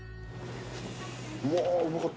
うわーうまかった。